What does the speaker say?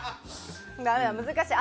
難しい。